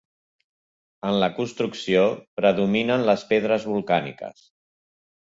En la construcció predominen les pedres volcàniques.